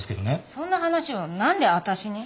そんな話を何でわたしに？